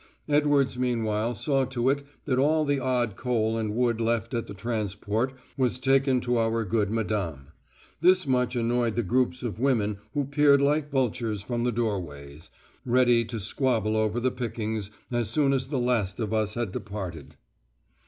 Edwards meanwhile saw to it that all the odd coal and wood left at the transport was taken to our good Madame; this much annoyed the groups of women who peered like vultures from the doorways, ready to squabble over the pickings as soon as the last of us had departed.